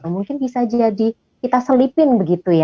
mungkin bisa jadi kita selipin begitu ya